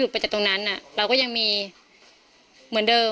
ถ้าใครอยากรู้ว่าลุงพลมีโปรแกรมทำอะไรที่ไหนยังไง